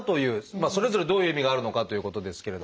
それぞれどういう意味があるのかということですけれども先生。